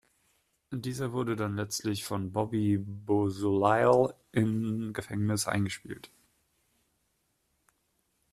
Dieser wurde dann letztlich von Bobby Beausoleil im Gefängnis eingespielt.